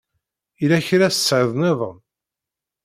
Yella kra tesɛiḍ nniḍen?